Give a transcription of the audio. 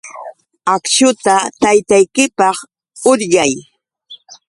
Akśhuta taytaykipaq uryay.